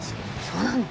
そうなの？